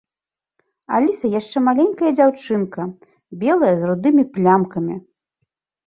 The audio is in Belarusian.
Аліса яшчэ маленькая дзяўчынка, белая з рудымі плямкамі.